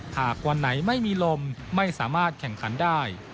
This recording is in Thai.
หากวันไหนไม่มีลมไม่สามารถแข่งขันได้